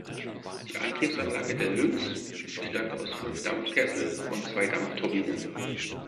Die Antriebsanlage der "Lynx" bestand aus fünf Dampfkessel und zwei Dampfturbinen.